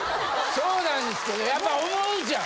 そうなんですけどやっぱ思うじゃん。